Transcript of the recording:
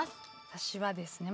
私はですね